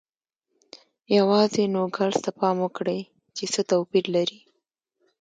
یوازې نوګالس ته پام وکړئ چې څه توپیر لري.